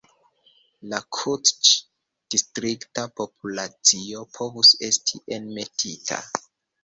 La kutĉ-distrikta populacio povus esti enmetita.